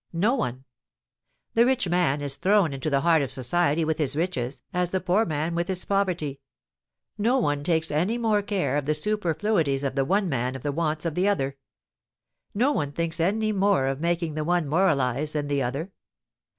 No one. The rich man is thrown into the heart of society with his riches, as the poor man with his poverty. No one takes any more care of the superfluities of the one than of the wants of the other. No one thinks any more of making the one moralise than the other.